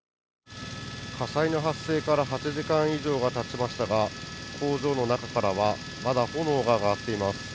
火災の発生から８時間以上がたちましたが、工場の中からはまだ炎が上がっています。